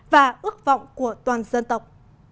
và ước vọng của toàn dân tộc